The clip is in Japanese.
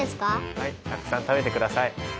はいたくさんたべてください。